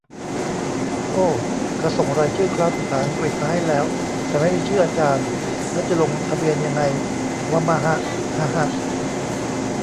โอ้ เขาส่งรายชื่อคลาสภาษาอังกฤษมาให้แล้ว แต่ไม่มีชื่ออาจารย์ แล้วจะลงทะเบียนยังไงวะมะฮะ ฮะ ฮะ